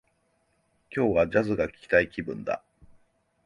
今日は、ジャズが聞きたい気分だ